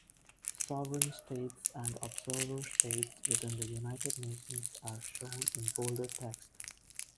Sovereign states and observer states within the United Nations are shown in bolded text.